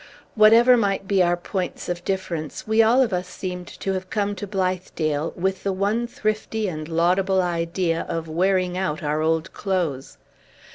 Whatever might be our points of difference, we all of us seemed to have come to Blithedale with the one thrifty and laudable idea of wearing out our old clothes.